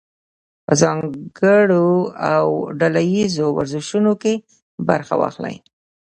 په ځانګړو او ډله ییزو ورزشونو کې برخه واخلئ.